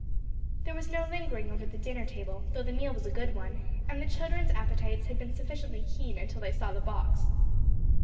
There was no lingering over the dinner table, though the meal was a good one, and the children's appetites had been sufficiently keen until they saw the box.